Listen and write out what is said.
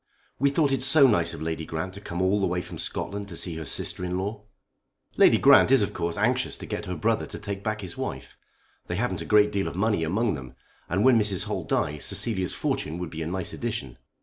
"We thought it so nice of Lady Grant to come all the way from Scotland to see her sister in law." "Lady Grant of course is anxious to get her brother to take back his wife. They haven't a great deal of money among them, and when Mrs. Holt dies Cecilia's fortune would be a nice addition."